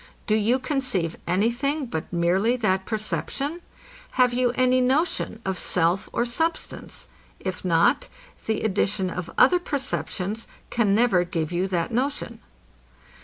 Do you conceive any thing but merely that perception? Have you any notion of self or substance? If not, the addition of other perceptions can never give you that notion.